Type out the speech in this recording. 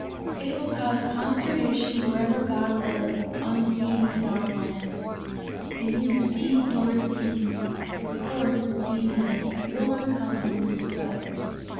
It will cause consternation Wherever God willeth. On sea and on land It neither sees, nor is seen. Its course is devious, And will not come when desired.